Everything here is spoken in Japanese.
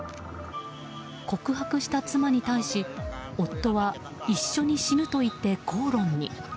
告白した妻に対し夫は一緒に死ぬといって口論に。